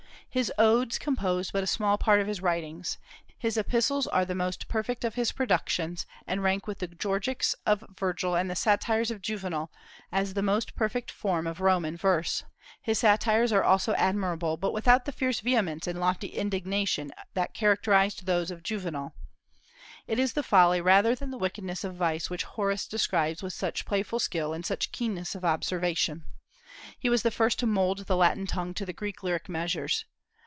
His Odes composed but a small part of his writings. His Epistles are the most perfect of his productions, and rank with the "Georgics" of Virgil and the "Satires" of Juvenal as the most perfect form of Roman verse. His satires are also admirable, but without the fierce vehemence and lofty indignation that characterized those of Juvenal. It is the folly rather than the wickedness of vice which Horace describes with such playful skill and such keenness of observation. He was the first to mould the Latin tongue to the Greek lyric measures.